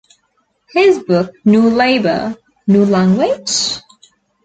His book New Labour, New Language?